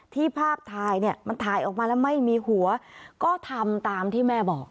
ภาพถ่ายเนี่ยมันถ่ายออกมาแล้วไม่มีหัวก็ทำตามที่แม่บอก